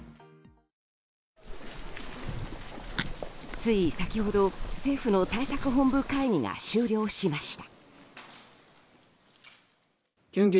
つい先ほど政府の対策本部会議が終了しました。